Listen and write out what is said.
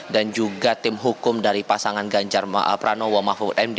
dan juga tim hukum dari pasangan ganjar pranowo mahfud md